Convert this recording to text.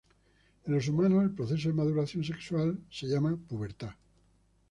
En los humanos, el proceso de maduración sexual es llamado pubertad.